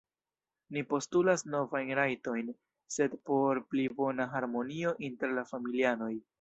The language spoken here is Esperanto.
Ni postulas novajn rajtojn, sed por pli bona harmonio inter la familianoj.